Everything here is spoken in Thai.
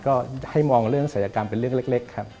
ก็ให้มองเรื่องศัยกรรมเป็นเรื่องเล็กครับ